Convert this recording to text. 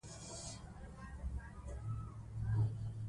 دوی نه ویني چې ورور یې ځلمی شوی.